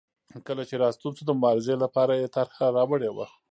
کله چې راستون شو د مبارزې لپاره یې طرحه راوړې وه.